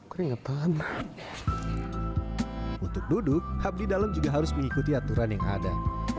untuk duduk abdi dalem juga harus mengikuti aturan yang ada